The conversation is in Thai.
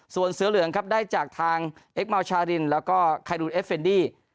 ส่วนเสือเหลืองครับได้จากทางเอ็กเมาชารินแล้วก็ไครูนเอฟเฟนดี้